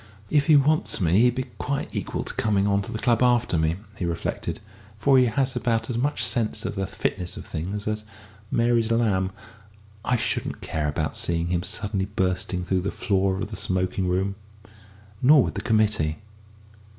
"If he wants me he'd be quite equal to coming on to the club after me," he reflected, "for he has about as much sense of the fitness of things as Mary's lamb. I shouldn't care about seeing him suddenly bursting through the floor of the smoking room. Nor would the committee."